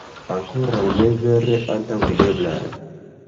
Ankoraŭ ne vere antaŭvideblaj...